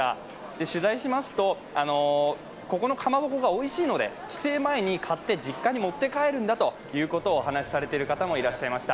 取材しますと、ここのかまぼこがおいしいので、帰省前に買って実家に持って帰るんだということをお話しされている方もいらっしゃいました。